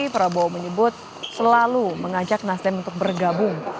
prabowo menyebut selalu mengajak nasdem untuk bergabung